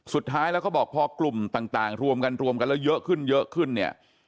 สุดท้ายแล้วก็บอกพอกลุ่มต่างรวมกันแล้วเยอะขึ้นเนี่ย